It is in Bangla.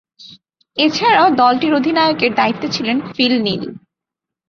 এছাড়াও দলটির অধিনায়কের দায়িত্বে ছিলেন ফিল নীল।